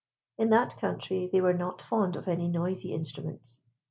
In that country they were not fond of any noisy instruments.